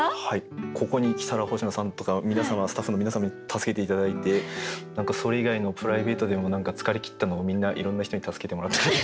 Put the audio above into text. ここに来たら星野さんとか皆様スタッフの皆様に助けて頂いて何かそれ以外のプライベートでも何か疲れ切ったのをみんないろんな人に助けてもらったり。